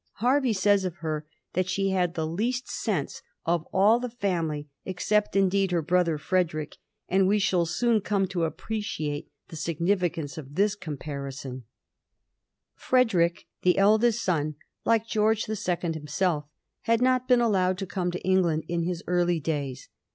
Hervey says of her that she had the least sense of all the family, except, indeed, her brother Frederick; and we shall soon come to appreciate the significance of this comparison. 1786. THE SOVEREIGN OF HAKOVEB. 39 Frederick, the eldest son, like George the Second him self, had not been allowed to come to England in his early days.